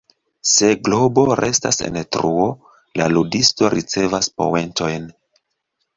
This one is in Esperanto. Se globo restas en truo, la ludisto ricevas poentojn.